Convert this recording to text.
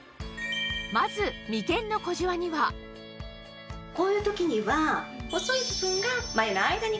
まず眉間の小じわにはこういう時には。